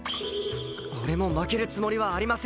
俺も負けるつもりはありません。